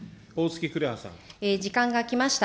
時間が来ました。